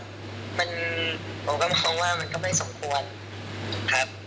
ผมก็มองว่ามันก็ไม่สมควรครับ